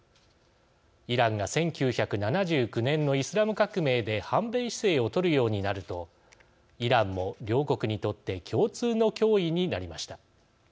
イランが１９７９年のイスラム革命で反米姿勢を取るようになるとイランも両国にとって共通の脅威になりました。